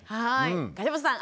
樫本さん。